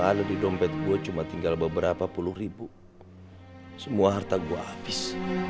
kalau di dompet gue cuma tinggal beberapa puluh ribu semua harta gue habis